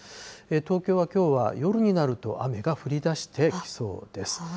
東京はきょうは夜になると雨が降りだしてきそうです。